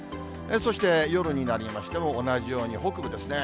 そして、夜になりましても、同じように北部ですね。